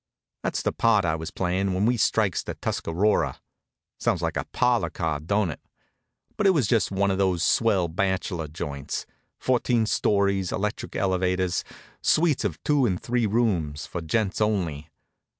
That's the part I was playin' when we strikes the Tuscarora. Sounds like a parlor car, don't it? But it was just one of those swell bachelor joints fourteen stories, electric elevators, suites of two and three rooms, for gents only.